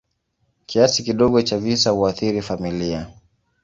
Kiasi kidogo cha visa huathiri familia.